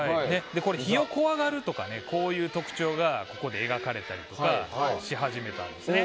火を怖がるという特徴がここで描かれたりとかし始めたんですね。